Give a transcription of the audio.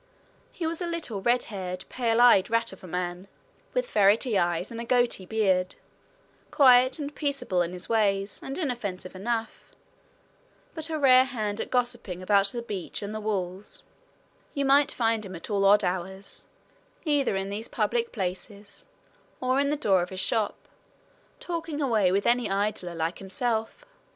He was a little red haired, pale eyed rat of a man, with ferrety eyes and a goatee beard, quiet and peaceable in his ways and inoffensive enough, but a rare hand at gossiping about the beach and the walls you might find him at all odd hours either in these public places or in the door of his shop, talking away with any idler like himself.